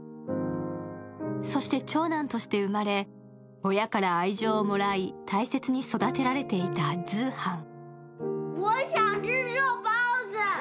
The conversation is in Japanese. そして、長男として生まれ、親から愛情をもらい大切に育てられていたズーハン。